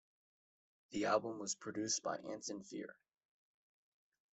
The album was produced by Anton Fier.